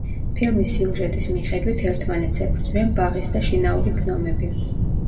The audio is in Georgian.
ფილმის სიუჟეტის მიხედვით, ერთმანეთს ებრძვიან ბაღის და შინაური გნომები.